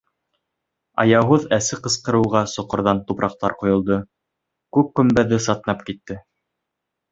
Аяуһыҙ әсе ҡысҡырыуға соҡорҙан тупраҡтар ҡойолдо, күк көмбәҙе сатнап китте.